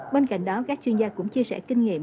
bên cạnh đó các chuyên gia cũng chia sẻ kinh nghiệm